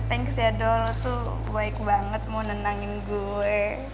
thanks ya dol lo tuh baik banget mau nenangin gue